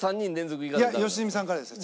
いや良純さんからです次。